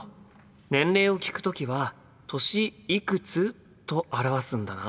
年齢を聞く時は「歳いくつ？」と表すんだな。